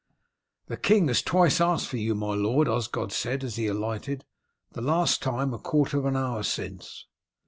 "The king has twice asked for you, my lord," Osgod said, as he alighted. "The last time a quarter of an hour since."